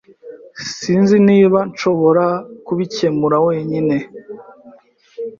Sinzi niba nshobora kubikemura wenyine.